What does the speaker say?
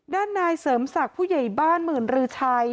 ด้านนายเสริมศักดิ์ผู้ใหญ่บ้านหมื่นรือชัย